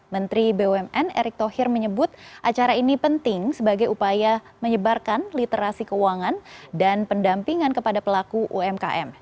menteri bumn erick thohir menyebut acara ini penting sebagai upaya menyebarkan literasi keuangan dan pendampingan kepada pelaku umkm